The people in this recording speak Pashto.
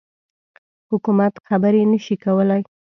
حکومت خبري نه شي کولای.